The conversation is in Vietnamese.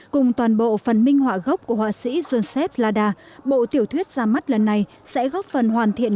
cùng toàn bộ phần minh họa gốc của họa sĩ joncev lada bộ tiểu thuyết ra mắt lần này sẽ góp phần hoàn thiện